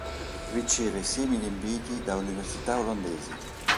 Riceve simili inviti da università olandesi.